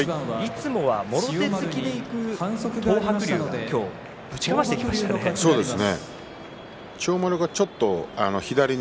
いつもはもろ手突きでいく東白龍が今日ぶちかましてきましたね。